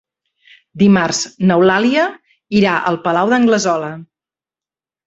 Dimarts n'Eulàlia irà al Palau d'Anglesola.